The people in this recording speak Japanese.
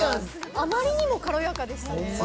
あまりにも軽やかでしたね。